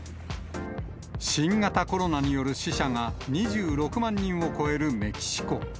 新型コロナによる死者が２６万人を超えるメキシコ。